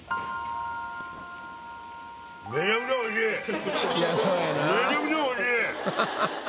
めちゃくちゃおいしい！